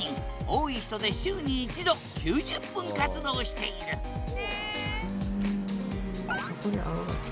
多い人で週に１度９０分活動しているへえ！